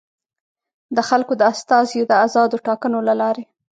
د خلکو د استازیو د ازادو ټاکنو له لارې.